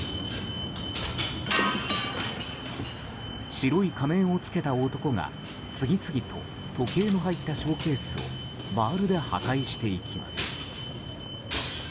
白い仮面を着けた男が次々と時計の入ったショーケースをバールで破壊していきます。